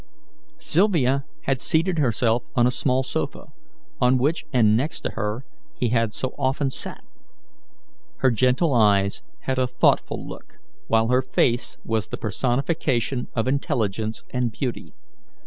Sylvia had seated herself on a small sofa, on which, and next to her, he had so often sat. Her gentle eyes had a thoughtful look, while her face was the personification of intelligence and beauty.